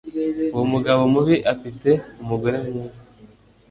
uwo mugabo mubi afite umugore mwiza